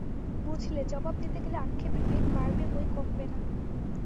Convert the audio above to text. বুঝলে জবাব দিতে গেলে আক্ষেপের বেগ বাড়বে বৈ কমবে না।